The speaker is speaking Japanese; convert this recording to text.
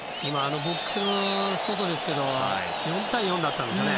ボックスの外ですけど４対４だったんですよね。